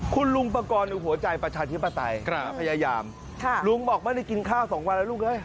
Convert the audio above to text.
คุณลุงปกรณ์อยู่หัวใจประชาธิปไตยครับพญายามลุงบอกว่าไม่ได้กินข้าว๒วันแล้วลูก